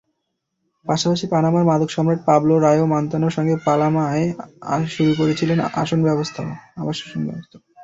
পাশাপাশি পানামার মাদকসম্রাট Pablo Rayo মন্তানোর সঙ্গে পানামায় শুরু করেছিলেন আবাসনব্যবসাও।